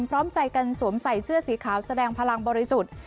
พร้อมใจกันสวมใส่เสื้อสีขาวแสดงพลังบริสุทธิ์